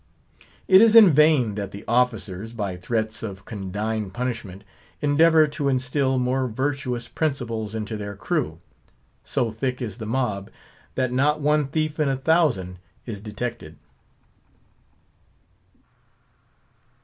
It is in vain that the officers, by threats of condign punishment, endeavour to instil more virtuous principles into their crew; so thick is the mob, that not one thief in a thousand is detected.